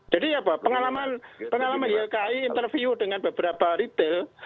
jadi apa pengalaman ylki interview dengan beberapa retail